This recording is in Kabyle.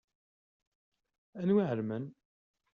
Anwa i iɛelmen?